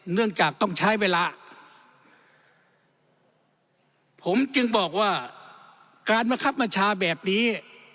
เนื่องจากต้องใช้เวลาผมจึงบอกว่าการบังคับบัญชาแบบนี้